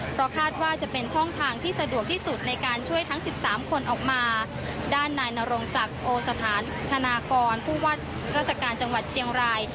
เพราะคาดว่าจะเป็นช่องทางที่สะดวกที่สุดในการช่วยทั้งสิบสามคนออกมาด้านนายนรงศักดิ์โอสถานธนากรผู้ว่าราชการจังหวัดเชียงราย